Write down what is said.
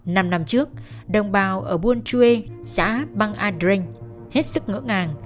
năm năm trước đồng bào ở buôn chue xã bang adren hết sức ngỡ ngàng